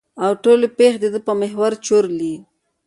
او ټولې پېښې د ده په محور چورلي.